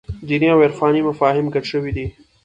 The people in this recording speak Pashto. دیني او عرفاني مفاهیم ګډ شوي دي.